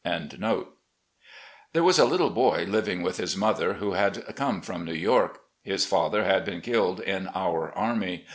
* There was a little boy living with his mother, who had come from New York. His father had been killed in our army.